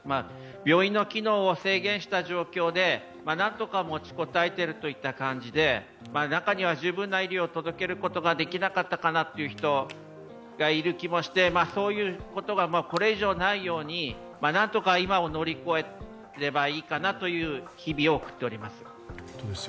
病院の機能を制限した状況でなんとか持ちこたえているという感じで、中には十分な医療を届けることができなかったかなという人もいる気がしてそういうことがこれ以上ないようになんとか、今を乗り越えればいいかなという日々を送っております。